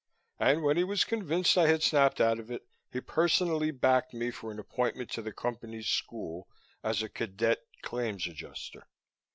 And when he was convinced I had snapped out of it, he personally backed me for an appointment to the Company's school as a cadet Claims Adjuster.